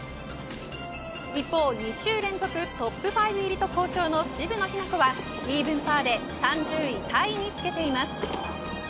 一方２週連続トップ５入りと好調の渋野日向子はイーブンパーで３０位タイにつけています。